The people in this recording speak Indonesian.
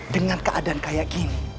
dengan keadaan kayak gini